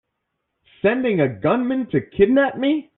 Sending a gunman to kidnap me!